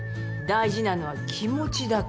大事なのは気持ちだから。